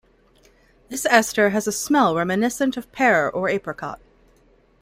This ester has a smell reminiscent of pear or apricot.